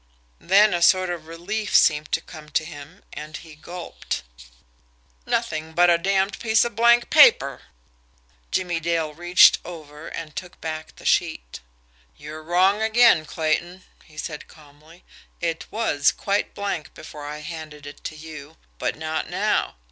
Then a sort of relief seemed to come to him and he gulped. "Nothing but a damned piece of blank paper!" he mumbled. Jimmie Dale reached over and took back the sheet. "You're wrong again, Clayton," he said calmly. "It WAS quite blank before I handed it to you but not now.